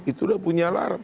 itu sudah punya larang